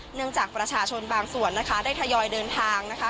จากประชาชนบางส่วนนะคะได้ทยอยเดินทางนะคะ